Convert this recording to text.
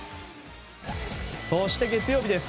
そして、月曜日です。